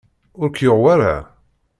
Ur k-yuɣ wayra?